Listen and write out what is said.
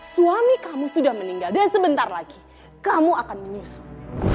suami kamu sudah meninggal dan sebentar lagi kamu akan menyusun